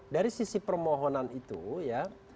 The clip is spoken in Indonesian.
dari sisi permohonan itu ya